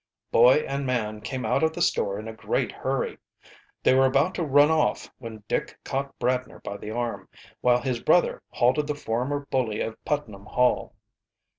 Boy and man came out of the store in a great hurry. They were about to run off when Dick caught Bradner by the arm, while his brother halted the former bully of Putnam Hall.